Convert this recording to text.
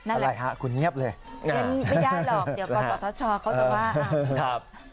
อะไรฮะคุณเงียบเลยไม่ได้หรอกเดี๋ยวก่อนต่อท้อชอเขาจะว่า